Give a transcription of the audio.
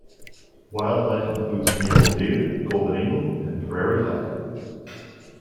Wildlife includes mule deer, golden eagle and prairie falcon.